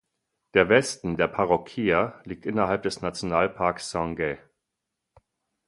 Der Westen der Parroquia liegt innerhalb des Nationalparks Sangay.